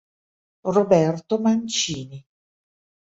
Roberto Mancini.